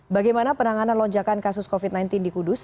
bagaimana penanganan lonjakan kasus covid sembilan belas di kudus